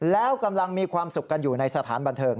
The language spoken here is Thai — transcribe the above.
แล้วกำลังมีความสุขกันอยู่ในสถานบันเทิง